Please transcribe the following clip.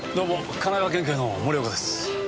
神奈川県警の森岡です。